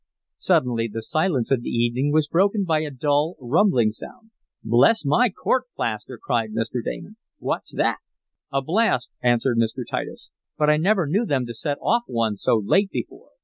Suddenly the silence of the evening was broken by a dull, rumbling sound. "Bless my court plaster!" cried Mr. Damon. "What's that?" "A blast," answered Mr. Titus. "But I never knew them to set off one so late before.